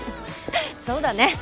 そうだね。